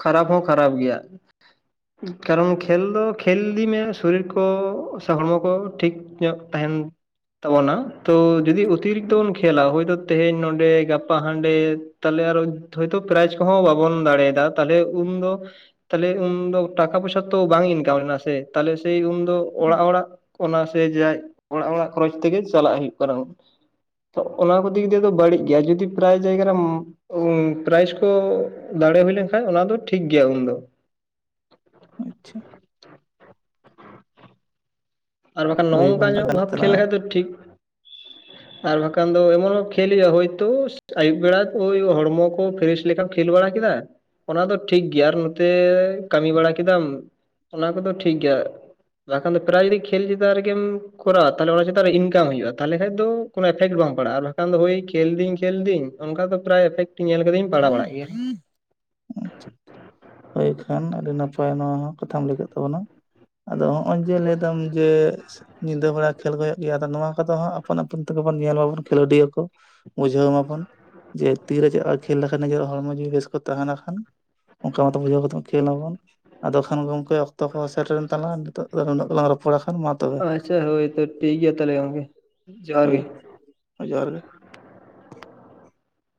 ᱠᱷᱟᱨᱟᱯ ᱦᱚᱸ ᱠᱷᱟᱨᱟᱯ ᱜᱮᱭᱟ᱾ ᱠᱟᱨᱚᱱ ᱠᱷᱮᱞ ᱫᱚ ᱠᱷᱮᱞ ᱤᱫᱤ ᱢᱮ ᱥᱚᱨᱤᱨ ᱠᱚ ᱥᱮ ᱦᱚᱲᱢᱚ ᱠᱚ ᱴᱷᱤᱠ ᱧᱚᱜ ᱛᱟᱦᱮᱱ [unintelligible] ᱛᱟᱵᱚᱱᱟ᱾ ᱛᱚ ᱡᱩᱫᱤ ᱚᱛᱤᱨᱤᱠᱛᱚ ᱵᱚᱱ ᱠᱷᱮᱹᱞᱟ ᱦᱳᱭᱛᱳ ᱛᱮᱦᱮᱧ ᱱᱚᱰᱮ ᱜᱟᱯᱟ ᱦᱟᱸᱰᱮ ᱛᱟᱦᱞᱮ ᱟᱨᱚ ᱦᱳᱭᱛᱚ ᱯᱨᱟᱭᱤᱡᱽ ᱠᱚᱦᱚᱸ ᱵᱟᱵᱚᱱ ᱫᱟᱲᱮᱭᱟᱫᱟ ᱛᱟᱦᱚᱞᱮ ᱩᱱᱫᱚ ᱛᱟᱦᱞᱮ ᱩᱱ ᱫᱚ ᱴᱟᱠᱟ ᱯᱚᱭᱥᱟ ᱛᱚ ᱵᱟᱝ ᱤᱱᱠᱟᱢ ᱞᱮᱱᱟ ᱥᱮ ᱛᱟᱦᱚᱞᱮ ᱥᱮᱭ ᱩᱱᱫᱚ ᱚᱲᱟᱜ ᱦᱚᱲᱟᱜ ᱚᱱᱟ ᱥᱮ [unintelligible] ᱚᱲᱟᱜ ᱦᱚᱲᱟᱜ ᱠᱷᱚᱨᱚᱪ ᱛᱮᱜᱮ ᱪᱟᱞᱟᱜ ᱦᱩᱭᱩᱜ [unintelligible] ᱚᱱᱟ ᱠᱚ ᱫᱤᱠ ᱫᱤᱭᱮ ᱫᱚ ᱵᱟᱹᱲᱤᱡ ᱜᱮᱭᱟ ᱡᱩᱫᱤ ᱯᱨᱟᱭ ᱡᱟᱭᱜᱟᱨ ᱨᱮ ᱯᱨᱟᱭᱤᱡᱽ ᱠᱚ ᱫᱟᱲᱮ ᱦᱩᱭ ᱞᱮᱱᱠᱷᱟᱡ ᱚᱱᱟ ᱫᱚ ᱴᱷᱤᱠ ᱜᱮᱭᱟ ᱩᱱᱫᱚ᱾ ᱟᱪᱪᱷᱟ᱾ ᱟᱨ ᱵᱟᱠᱷᱟᱱ ᱱᱚᱜ-ᱚ ᱦᱳᱭ ᱱᱚᱝᱠᱟ ᱜᱚᱢᱠᱮ ᱧᱚᱜ ᱵᱷᱟᱵ ᱠᱷᱮᱞ ᱛᱟᱞᱟᱝᱟ ᱞᱮᱠᱷᱟᱱ ᱫᱚ ᱴᱷᱤᱠ ᱟᱨ ᱵᱟᱠᱷᱟᱱ ᱫᱚ ᱮᱢᱚᱱ ᱠᱷᱮᱞ ᱦᱩᱭᱩᱜ-ᱟ ᱦᱳᱭᱛᱳ ᱟᱭᱩᱵ ᱵᱮᱲᱟ ᱳᱭ ᱦᱚᱲᱢᱚ ᱠᱚ ᱯᱷᱨᱮᱥ ᱞᱮᱠᱷᱟᱱ ᱠᱷᱮᱞ ᱵᱟᱲᱟ ᱠᱮᱫᱟ ᱚᱱᱟ ᱫᱚ ᱴᱷᱤᱠ ᱜᱮᱭᱟ ᱟᱨ ᱱᱚᱛᱮ ᱠᱟᱹᱢᱤ ᱵᱟᱲᱟ ᱠᱮᱫᱟᱢ ᱾ ᱚᱱᱟ ᱠᱚᱫᱚ ᱴᱷᱤᱠ ᱜᱮᱭᱟ ᱵᱟᱠᱷᱟᱱ ᱫᱚ ᱯᱨᱟᱭ ᱡᱩᱫᱤ ᱠᱷᱮᱞ ᱪᱮᱛᱟᱱ ᱨᱮᱜᱮᱢ ᱠᱚᱨᱟᱣᱟ ᱛᱟᱦᱚᱞᱮ ᱚᱱᱟ ᱪᱮᱛᱟᱱ ᱤᱱᱠᱟ ᱦᱩᱭᱩᱜ -ᱟ ᱛᱟᱦᱚᱞᱮ ᱠᱷᱟᱱ ᱫᱚ ᱠᱚᱱᱚ ᱮᱯᱷᱮᱠᱴ ᱵᱟᱝ ᱯᱟᱲᱟᱜ-ᱟ ᱟᱨ ᱵᱟᱠᱷᱟᱱ ᱫᱚ ᱦᱚᱭ ᱠᱷᱮᱞ ᱫᱟᱹᱧ ᱠᱷᱮᱞ ᱫᱟᱹᱧ ᱚᱱᱠᱟ ᱫᱚ ᱯᱨᱟᱭ ᱮᱯᱷᱮᱠᱴ ᱧᱮᱞ ᱠᱟᱫᱮᱧ ᱯᱟᱲᱟᱣ ᱵᱟᱲᱟᱜ ᱜᱮᱭᱟ ᱾ ᱦᱚᱭ ᱠᱷᱟᱱ ᱟᱹᱰᱤ ᱱᱟᱯᱟᱭ ᱱᱚᱣᱟ ᱦᱚᱸ ᱠᱟᱛᱷᱟᱢ ᱞᱟᱹᱭ ᱠᱟᱹᱜ ᱛᱟᱵᱚᱱᱟ᱾ ᱟᱫᱚ ᱦᱚᱜ-ᱚᱭ ᱡᱮ ᱞᱟᱹᱭᱫᱟᱢ ᱡᱮ ᱧᱤᱫᱟᱹ ᱵᱮᱲᱟ ᱠᱷᱮᱞ ᱠᱚ ᱦᱩᱭᱩᱜ ᱜᱮᱭᱟ ᱟᱫᱚ ᱱᱚᱣᱟ ᱠᱚᱫᱚ ᱦᱚᱸ ᱟᱯᱥᱱ-ᱟᱯᱤᱱ ᱛᱮᱜᱮ ᱵᱚᱱ ᱧᱮᱞ ᱵᱟᱵᱚᱱ ᱠᱷᱮᱞᱳᱰᱤᱭᱟᱹ ᱠᱚ ᱾ ᱵᱩᱡᱷᱟᱹᱣ ᱢᱟᱵᱚᱱ ᱡᱮ ᱛᱤᱨᱮ ᱪᱮᱫ ᱠᱷᱮᱞ ᱞᱮᱠᱷᱟᱱ ᱱᱤᱡᱮᱨ ᱦᱚᱲᱢᱚ ᱡᱩᱤ ᱵᱮᱥ ᱠᱚ ᱛᱟᱦᱮᱱᱟ ᱠᱷᱟᱱ ᱾ [unintelligible] ᱠᱷᱮᱞᱟᱵᱚᱱ ᱟᱫᱚ ᱠᱷᱟᱱ ᱜᱚᱝᱠᱮ ᱚᱠᱛᱚ ᱠᱚ ᱥᱮᱴᱨᱮᱱ ᱛᱟᱞᱟᱝᱟ ᱱᱤᱛᱚᱜ ᱫᱚ ᱩᱱᱟᱜ ᱜᱮᱞᱟᱝ [unintelligible] ᱟᱪᱪᱷᱟ ᱦᱚᱭ ᱛᱚ ᱴᱷᱤᱠ ᱜᱮᱭᱟ ᱛᱟᱦᱚᱞᱮ ᱜᱚᱝᱠᱮ ᱡᱚᱦᱟᱨ ᱦᱳᱭ ᱜᱮ ᱡᱚᱦᱟᱨ ᱜᱮ